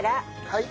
はい。